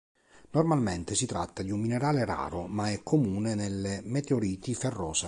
Normalmente si tratta di un minerale raro, ma è comune nelle meteoriti ferrose.